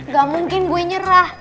gak mungkin gue nyerah